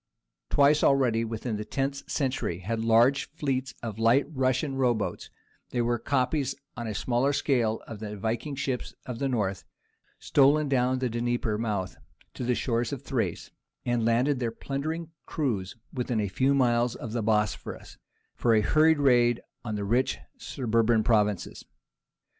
Twice already, within the tenth century, had large fleets of light Russia row boats—they were copies on a smaller scale of the Viking ships of the North—stolen down from the Dnieper mouth to the shores of Thrace, and landed their plundering crews within a few miles of the Bosphorus, for a hurried raid on the rich suburban provinces.